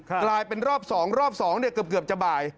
กลายเป็นรอบสองรอบสองเนี่ยเกือบจะบ่าย